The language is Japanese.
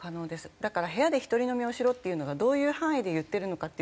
だから部屋で一人飲みをしろっていうのがどういう範囲で言ってるのかっていう。